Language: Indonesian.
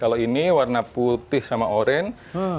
kalau ini warna putih sama orange